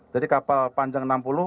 jadi kapal panjang enam puluh meter